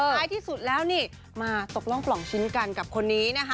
ท้ายที่สุดแล้วนี่มาตกร่องปล่องชิ้นกันกับคนนี้นะคะ